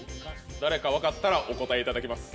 誰か分かったらお答えいただけます。